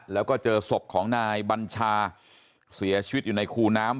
แล้วก็เจอศพของนายบัญชาเสียชีวิตอยู่ในคูน้ำ